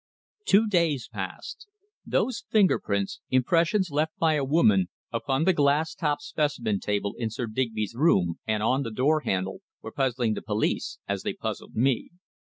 Two days passed. Those finger prints impressions left by a woman upon the glass topped specimen table in Sir Digby's room and on the door handle, were puzzling the police as they puzzled me.